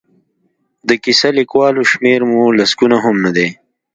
د کیسه لیکوالو شمېر مو لسګونه هم نه دی.